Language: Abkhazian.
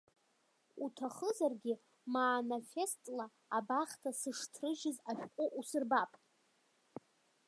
Уҭахызаргьы маанафестла абахҭа сышҭрыжьыз ашәҟәы усырбап.